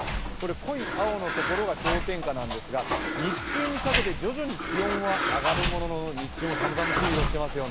濃い青のところが氷点下なんですが、日中にかけて徐々に気温は上がるものの、日中も寒々しい色をしていますよね。